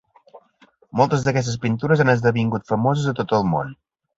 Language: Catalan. Moltes d'aquestes pintures han esdevingut famoses a tot el món.